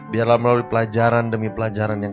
biarlah melalui pelajaran demi pelajaran yang